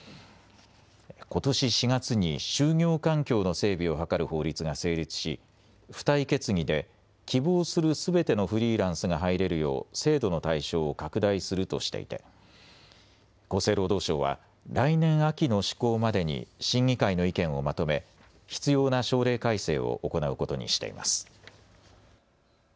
ことし４月に就業環境の整備を図る法律が成立し付帯決議で希望するすべてのフリーランスが入れるよう制度の対象を拡大するとしていて厚生労働省は来年秋の施行までに審議会の意見をまとめ、必要な省令改正を行うことにしています。